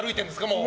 もう。